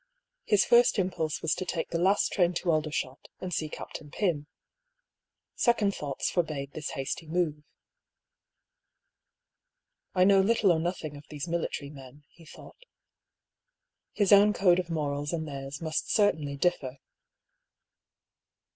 His first impulse was to take the last train to Aldershot, and see Captain Pym. Second thoughts forbade this hasty move. " I know little or nothing of these military men, he thought. His own code of morals and theirs must certainly differ.